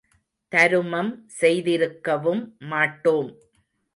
தருமம் செய்திருக்கவும் மாட்டோம்.